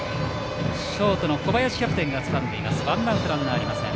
ショートの小林キャプテンがつかんでワンアウトランナーはありません。